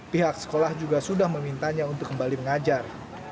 pihak sekolah juga sudah memintanya untuk kembali mengajar